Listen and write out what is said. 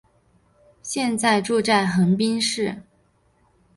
现在住在横滨市。